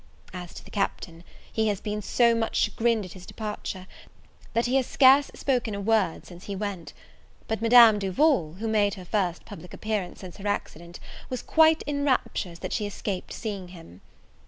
As to the Captain, he has been so much chagrined at his departure, that he has scarce spoken a word since he went: but Madame Duval, who made her first public appearance since her accident, was quite in raptures that she escaped seeing him.